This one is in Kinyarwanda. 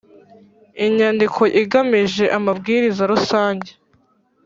inyandiko igamije amabwiriza rusange